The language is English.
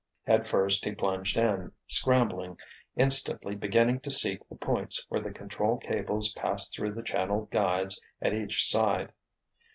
Headfirst he plunged in, scrambling, instantly beginning to seek the points where the control cables passed through channeled guides at each side.